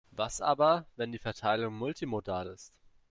Was aber, wenn die Verteilung multimodal ist?